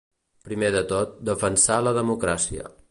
Primer de tot, defensar la democràcia.